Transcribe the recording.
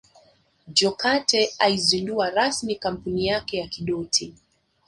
Jokate aizundua rasmi kampuni yake ya Kidoti